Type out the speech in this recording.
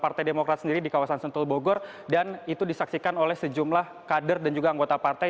dan juga di tempat sendiri di kawasan sentul bogor dan itu disaksikan oleh sejumlah kader dan juga anggota partai